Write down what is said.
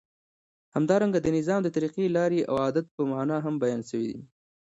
همدارنګه د نظام د طریقی، لاری او عادت په معنی هم بیان سوی دی.